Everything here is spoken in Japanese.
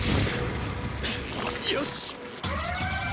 よし！